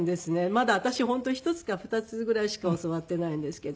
まだ私本当１つか２つぐらいしか教わっていないんですけど。